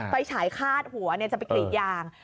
ฉายคาดหัวจะไปกรีดยาง